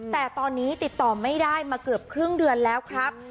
แต่ตอนนี้ติดต่อไม่ได้มาเกือบครึ่งเดือนแล้วครับ